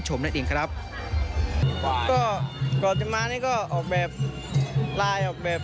นั่นเองครับก็ก่อนจะมานี่ก็ออกแบบไลน์ออกแบบ